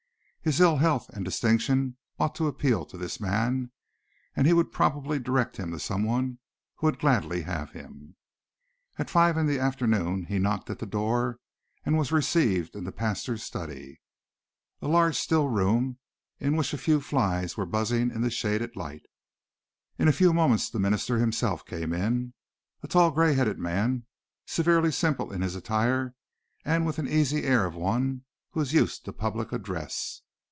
His ill health and distinction ought to appeal to this man, and he would probably direct him to some one who would gladly have him. At five in the afternoon he knocked at the door and was received in the pastor's study a large still room in which a few flies were buzzing in the shaded light. In a few moments the minister himself came in a tall, grey headed man, severely simple in his attire and with the easy air of one who is used to public address.